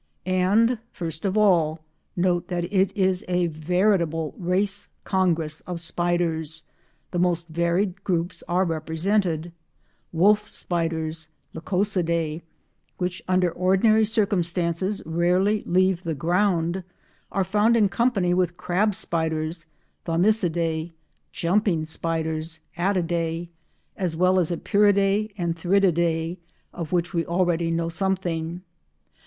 And first of all note that it is a veritable race congress of spiders; the most varied groups are represented. Wolf spiders (Lycosidae) which under ordinary circumstances rarely leave the ground are found in company with crab spiders (Thomisidae), jumping spiders (Attidae), as well as Epeiridae and Theridiidae of which we already know something.